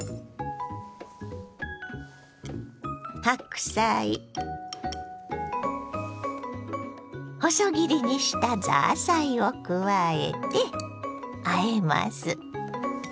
白菜細切りにしたザーサイを加えてあえます。